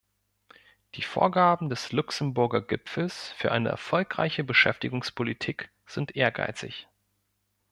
Die Vorgaben des Luxemburger Gipfels für eine erfolgreiche Beschäftigungspolitik sind ehrgeizig.